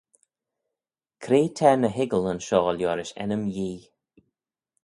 Cre t'er ny hoiggal aynshoh liorish ennym Yee?